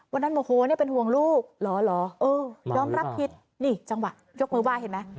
โมโหนี่เป็นห่วงลูกเหรอเออยอมรับผิดนี่จังหวะยกมือไหว้เห็นไหม